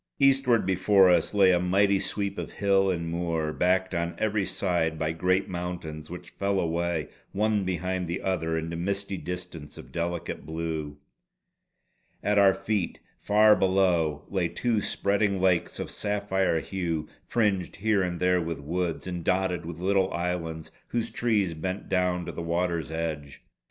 Eastward before us lay a mighty sweep of hill and moor, backed on every side by great mountains which fell away one behind the other into misty distance of delicate blue. At our feet far below, lay two spreading lakes of sapphire hue, fringed here and there with woods, and dotted with little islands whose trees bent down to the water's edge.